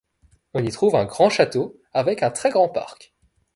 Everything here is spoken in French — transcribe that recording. On y trouve un grand château avec un très grand parc.